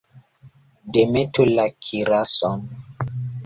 Demetu la kirason!